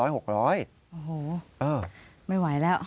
โอ้โหไม่ไหวแล้ว